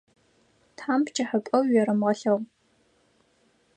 Тхьам пкӏыхьапӏэу уерэмыгъэлъэгъу.